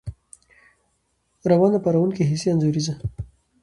روانه، پارونکې، ، حسي، انځوريزه